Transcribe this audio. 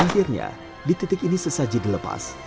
akhirnya di titik ini sesaji dilepas